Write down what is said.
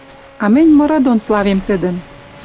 А мӹнь мыры дон славем тӹдӹм...»